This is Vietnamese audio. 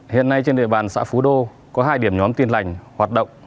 hiện nay trên địa bàn xã phú đô có hai điểm nhóm tin lành hoạt động